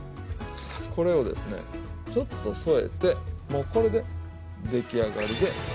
これをですねちょっと添えてもうこれでできあがりで。